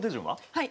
はい。